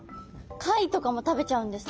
貝とかも食べちゃうんですね。